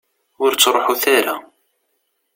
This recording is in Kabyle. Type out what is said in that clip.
Ur ttruḥut ara.